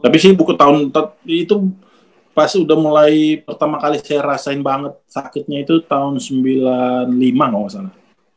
tapi sih buku tahun itu pasti udah mulai pertama kali saya rasain banget sakitnya itu tahun seribu sembilan ratus sembilan puluh lima kalau nggak salah